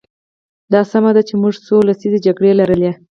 دا سمه ده چې موږ څو لسیزې جګړې لرلې.